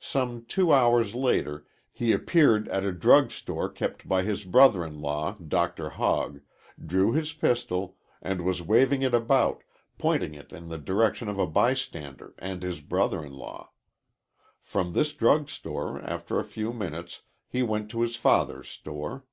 Some two hours later he appeared at a drug store kept by his brother in law, Dr. Hogg, drew his pistol, and was waving it about, pointing it in the direction of a bystander and his brother in law. From this drug store, after a few minutes, he went to his father's store.